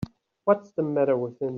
What's the matter with him.